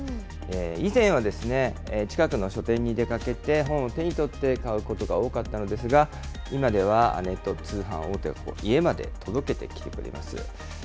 以前は近くの書店に出かけて、本を手に取って買うことが多かったのですが、今ではネット通販大手が、家まで届けてきてくれます。